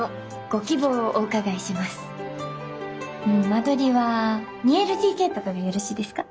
間取りは２ＬＤＫとかでよろしいですか？